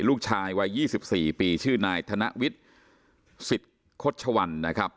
ลูกชายวัย๒๔ปีชื่อนายธนวิทธิ์สิทธิ์โคชวัล